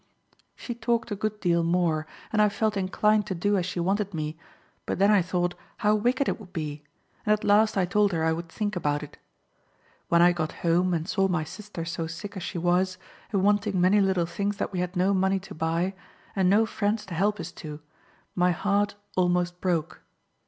She talked a good deal more, and I felt inclined to do as she wanted me, but then I thought how wicked it would be, and at last I told her I would think about it. When I got home and saw my sister so sick as she was, and wanting many little things that we had no money to buy, and no friends to help us to, my heart almost broke.